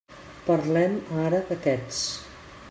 Parlem ara d'aquests.